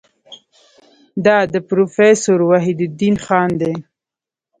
دا د پروفیسور وحیدالدین خان دی.